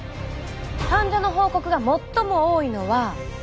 患者の報告が最も多いのは。